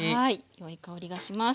よい香りがします。